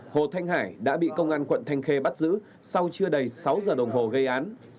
hồ thanh hải đã bị công an quận thanh khê bắt giữ sau chưa đầy sáu giờ đồng hồ gây án